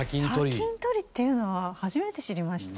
砂金取りっていうのは初めて知りまして。